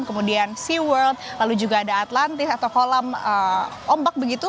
kemudian sea world lalu juga ada atlantis atau kolam ombak begitu